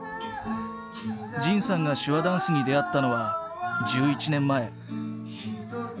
仁さんが手話ダンスに出会ったのは１１年前。